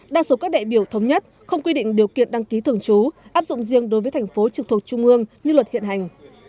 đa số các đại biểu thống nhất không quy định điều kiện đăng ký thường trú áp dụng riêng đối với thành phố trực thuộc trung ương như luật hiện hành